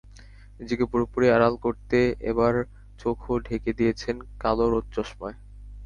নিজেকে পুরোপুরি আড়াল করতে এবার চোখও ঢেকে দিয়েছেন কালো রোদ চশমায়।